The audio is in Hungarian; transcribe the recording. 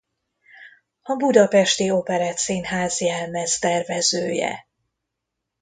A Budapesti Operettszínház jelmeztervezője.